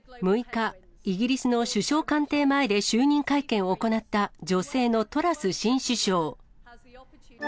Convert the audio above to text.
６日、イギリスの首相官邸前で就任会見を行った女性のトラス新首相。